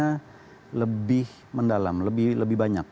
karena lebih mendalam lebih banyak